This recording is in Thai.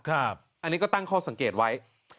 อันนี้ก็ตั้งข้อสังเกตไว้